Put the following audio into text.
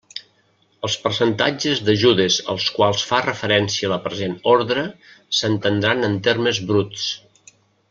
Els percentatges d'ajudes als quals fa referència la present ordre s'entendran en termes bruts.